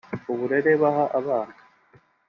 uburere baha abana